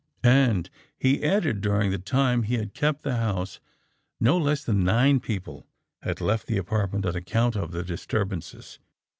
'And,' he added, 'during the time he had kept the house, no less than nine people had left the apartment on account of the disturbances.